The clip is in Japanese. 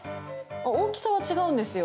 大きさは違うんですよ。